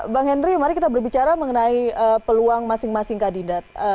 bang henry mari kita berbicara mengenai peluang masing masing kandidat